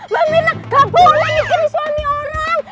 mbak mirna gak boleh mikirin suami orang